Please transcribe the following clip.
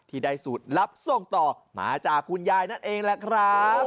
ที่ได้สูตรลับส่งต่อมาจากคุณยายนั่นเองแหละครับ